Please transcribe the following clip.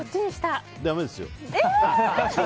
だめですよ。